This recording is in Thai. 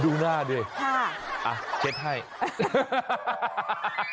ดูหน้าดิชัดให้ค่ะ